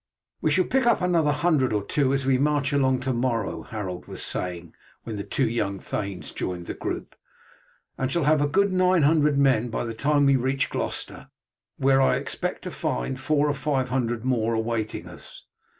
"We shall pick up another hundred or two as we march along to morrow," Harold was saying when the two young thanes joined the group, "and shall have a good nine hundred men by the time we reach Gloucester, where I expect to find four or five hundred more awaiting us.